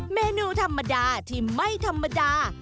เมนูธรรมดาที่ไม่ธรรมดา